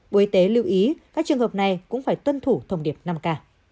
bộ y tế lưu ý các trường hợp này cũng phải tuân thủ thông điệp năm k